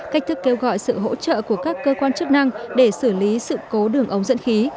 cách thức kêu gọi sự hỗ trợ của các cơ quan chức năng để xử lý sự cố đường ống dẫn khí